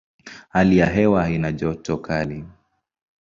Hali ya hewa haina joto kali.